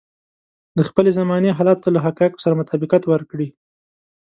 د خپلې زمانې حالاتو ته له حقايقو سره مطابقت ورکړي.